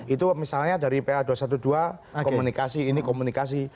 itu misalnya dari pa dua ratus dua belas komunikasi ini komunikasi